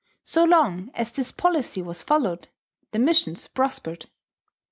So long as this policy was followed, the missions prospered.